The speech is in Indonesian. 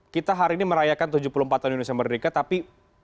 kita hari ini merayakan tujuh puluh empat tahun indonesia merdeka tapi